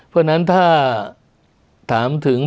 เพราะฉะนั้นถ้าถามถึง